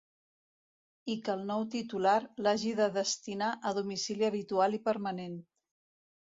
I que el nou titular l'hagi de destinar a domicili habitual i permanent.